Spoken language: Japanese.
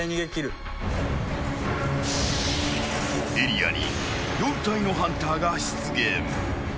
［エリアに４体のハンターが出現］